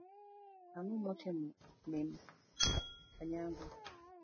Ang'o motimo mim Onyango.